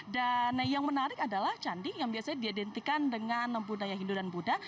dan yang menarik adalah candi yang biasanya didentikan dengan budaya hindu dan buddha